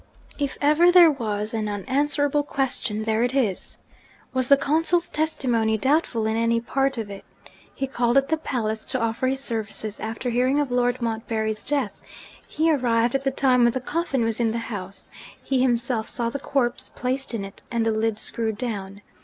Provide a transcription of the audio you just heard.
If ever there was an unanswerable question, there it is! Was the consul's testimony doubtful in any part of it? He called at the palace to offer his services, after hearing of Lord Montbarry's death; he arrived at the time when the coffin was in the house; he himself saw the corpse placed in it, and the lid screwed down.